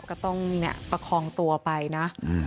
ก็ต้องประคองตัวไปนะ